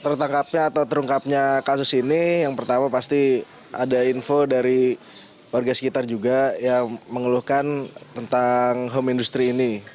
tertangkapnya atau terungkapnya kasus ini yang pertama pasti ada info dari warga sekitar juga yang mengeluhkan tentang home industry ini